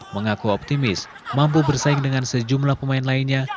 mengaku optimis mampu bersaing dengan sejumlah pemain lainnya